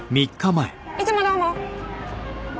いつもどうも。